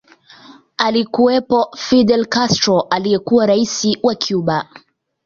Alikuwepo Fidel Castro aliyekuwa rais wa Cuba